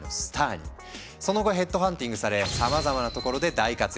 その後ヘッドハンティングされさまざまなところで大活躍。